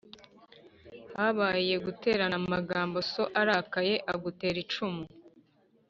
Habaye guterana amagambo so arakaye akagutera icumu